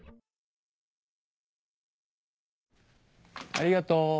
ありがとう。